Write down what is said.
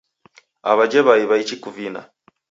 Aw'ajhe w'ai w'aichi kuvina.